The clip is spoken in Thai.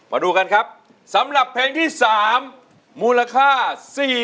มาดูกันครับสำหรับเพลงที่๓มูลค่า